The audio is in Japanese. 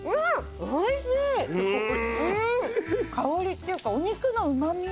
香りっていうかお肉のうまみ？